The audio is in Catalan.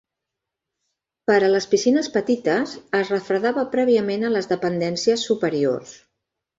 Per a les piscines petites, es refredava prèviament a les dependències superiors.